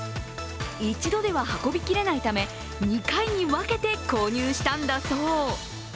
一度では運びきれないため、２回に分けて購入したんだそう。